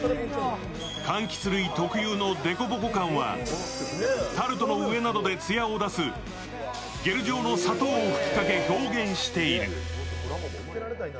かんきつ類特有の凸凹感はタルトの上などでつやを出すゲル状の砂糖を拭きかけ表現している。